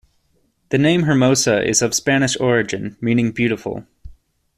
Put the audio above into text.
The name Hermosa is of Spanish origin meaning "beautiful".